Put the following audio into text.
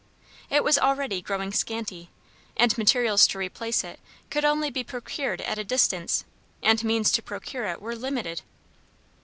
It was already growing scanty, and materials to replace it could only be procured at a distance, and means to procure it were limited.